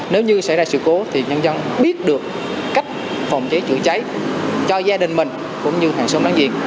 nếu như xảy ra sự cố thì nhân dân biết được cách phòng cháy chữa cháy cho gia đình mình cũng như hàng xóm đáng diện